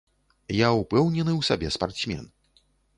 Я ўпэўнены ў сабе спартсмен.